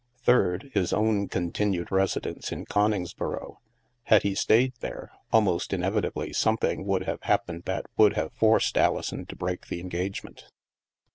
Third, his own con tinued residence in Coningsboro; had he staVed there, almost inevitably something would have hap pened that would have forced Alison to break the engagement.